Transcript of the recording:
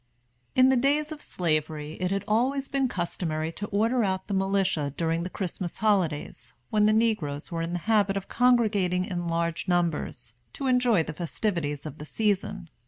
In the days of Slavery, it had always been customary to order out the militia during the Christmas holidays, when the negroes were in the habit of congregating in large numbers, to enjoy the festivities of the season.